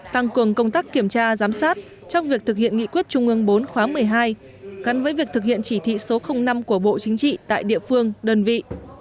tăng cường công tác kiểm tra giám sát trong việc thực hiện nghị quyết trung ương bốn khóa một mươi hai cắn với việc thực hiện chỉ thị số năm của bộ chính trị tại địa phương đơn vị